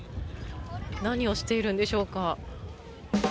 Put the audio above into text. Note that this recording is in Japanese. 何をしているんでしょうか？